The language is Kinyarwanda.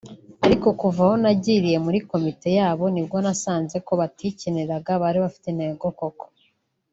Ariko kuva aho ngiriye muri komite yayo nibwo nasanze ko batikiniraga bari bafite intego koko